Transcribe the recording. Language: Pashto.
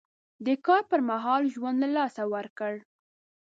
د کار پر مهال ژوند له لاسه ورکړ.